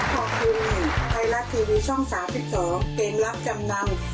ขอบคุณไทยรัฐทีวีช่อง๓๒เกมรับจำนำ